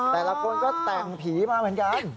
แต่ละคนก็แต่งผีมาเหมือนกัน